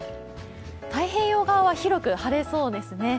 太平洋側は広く晴れそうですね。